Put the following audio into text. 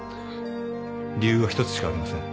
理由は一つしかありません。